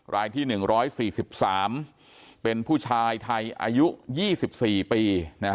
รายที่๑๔๓เป็นผู้ชายไทยอายุ๒๔ปี